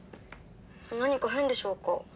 何か変でしょうか？